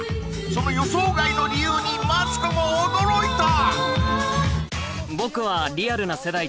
その予想外の理由にマツコも驚いた！